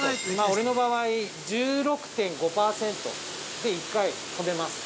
俺の場合、１６．５％で１回止めます。